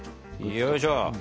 よいしょ。